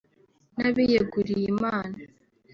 n’abiyeguriyimana